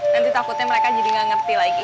nanti takutnya mereka jadi gak ngerti juga ya ru